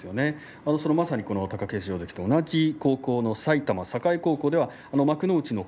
まさに貴景勝関と同じ高校の埼玉栄高校では幕内の